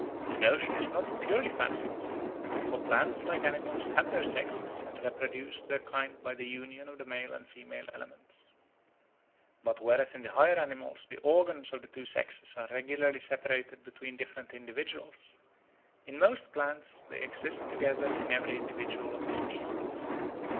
The notion is not purely fanciful, for plants like animals have their sexes and reproduce their kind by the union of the male and female elements. But whereas in all the higher animals the organs of the two sexes are regularly separated between different individuals, in most plants they exist together in every individual of the species.